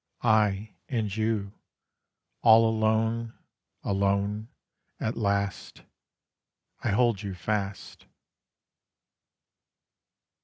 I and you, All alone, alone, at last. I hold you fast.